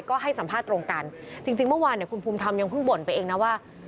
ก็ให้สัมภาษณ์ตรงกันจริงเมื่อวานเนี่ยคุณภูมิธรรมยังเพิ่งบ่นไปเองนะว่า